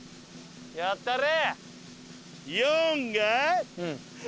やったれ！